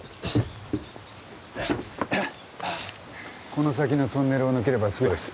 この先のトンネルを抜ければすぐです。